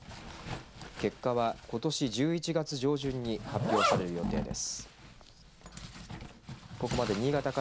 結果は、ことし１１月上旬に発表される予定です。